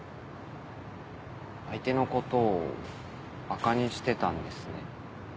相手のことをばかにしてたんですね。